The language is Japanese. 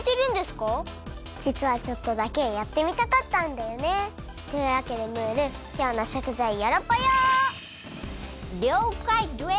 じつはちょっとだけやってみたかったんだよね。というわけでムールきょうのしょくざいよろぽよ！りょうかいです！